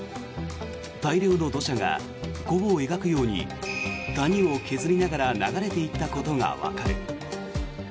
大量の土砂が弧を描くように谷を削りながら流れていったことがわかる。